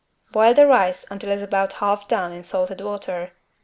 Boil the rice until it is about half done in salted water.